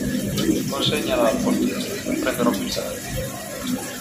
Consegnala al portiere, la prenderò più tardi.